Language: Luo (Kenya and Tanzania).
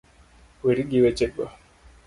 Weri gi wechego